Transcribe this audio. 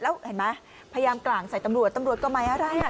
แล้วเห็นไหมพยายามกลางใส่ตำรวจตำรวจก็ไม่อะไรอ่ะ